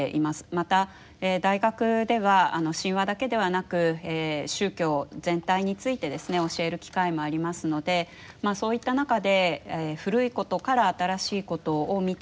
また大学では神話だけではなく宗教全体についてですね教える機会もありますのでまあそういった中で古いことから新しいことを見ていく。